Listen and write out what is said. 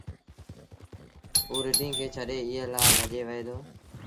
اوٚ رڍينٚ کي ڇڏي ايٚئي لآ ڀڄي وهي دو